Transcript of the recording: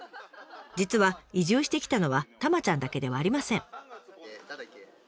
実は移住してきたのはたまちゃんだけではありません。